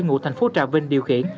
ngụ thành phố trà vinh điều khiển